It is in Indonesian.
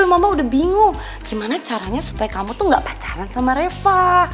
mama udah bingung gimana caranya supaya kamu tuh gak pacaran sama reva